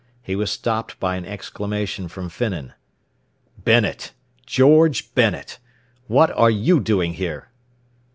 He was stopped by an exclamation from Finnan. "Bennet! George Bennet! What are you doing here?"